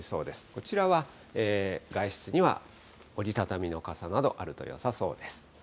こちらは外出には折り畳みの傘などあるとよさそうです。